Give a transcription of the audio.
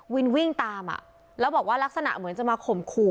วินวิ่งตามอ่ะแล้วบอกว่าลักษณะเหมือนจะมาข่มขู่